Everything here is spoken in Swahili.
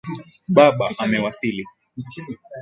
Baba amewasili.